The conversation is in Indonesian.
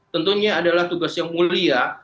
tentunya adalah tugas yang mulia